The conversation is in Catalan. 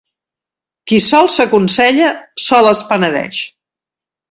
Qui sol s'aconsella, sol es penedeix.